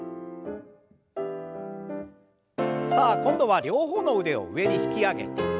さあ今度は両方の腕を上に引き上げて。